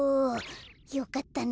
よかったね